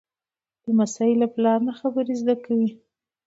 لمسی له پلار نه خبرې زده کوي.